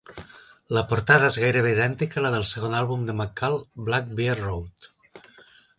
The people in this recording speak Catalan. La portada és gairebé idèntica a la del segon àlbum de McCall "Black Bear Road".